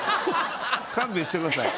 勘弁してください。